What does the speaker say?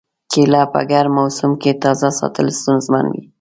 کېله په ګرم موسم کې تازه ساتل ستونزمن وي.